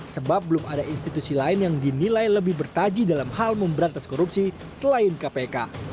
sebab belum ada institusi lain yang dinilai lebih bertaji dalam hal memberantas korupsi selain kpk